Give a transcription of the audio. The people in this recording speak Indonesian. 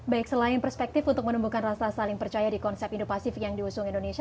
baik selain perspektif untuk menumbuhkan rasa saling percaya di konsep indo pasif yang diusung indonesia